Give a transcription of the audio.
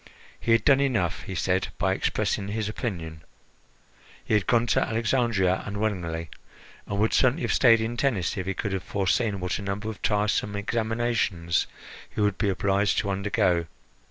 He had done enough, he said, by expressing his opinion. He had gone to Alexandria unwillingly, and would certainly have stayed in Tennis if he could have foreseen what a number of tiresome examinations he would be obliged to undergo.